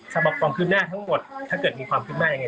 สำหรับความคืนหน้าทั้งหมดถ้าเกิดมีความคืนมาอย่างไร